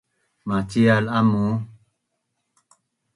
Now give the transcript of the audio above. Macial amu?